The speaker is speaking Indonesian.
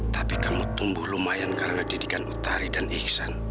tapi kamu tumbuh lumayan karena dijadikan utari dan iksan